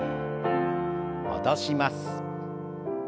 戻します。